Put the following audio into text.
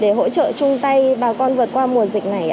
để hỗ trợ chung tay bà con vượt qua mùa dịch này ạ